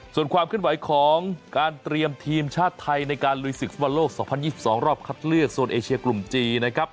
ส่วนความเคลื่อนไหวของการเตรียมทีมชาติไทยในการลุยศึกฟุตบอลโลก๒๐๒๒รอบคัดเลือกโซนเอเชียกลุ่มจีนนะครับ